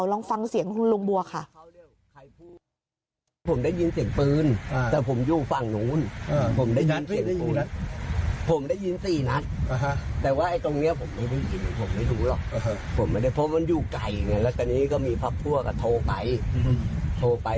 ลองฟังเสียงคุณลุงบัวค่ะ